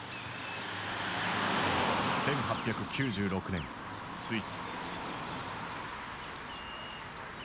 １８９６年スイス。